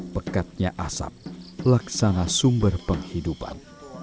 pekatnya asap laksana sumber penghidupan